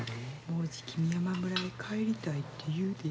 もうじき美山村へ帰りたいって言うで。